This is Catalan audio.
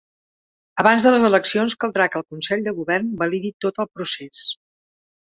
Abans de les eleccions caldrà que el consell de govern validi tot el procés.